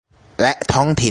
และท้องถิ่น